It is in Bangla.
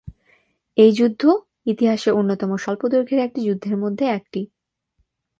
এই যুদ্ধ ইতিহাসের অন্যতম স্বল্পদৈর্ঘ্যের একটি যুদ্ধের মধ্যে একটি।